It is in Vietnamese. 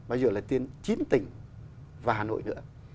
bây giờ là trên chín tỉnh và hà nội nữa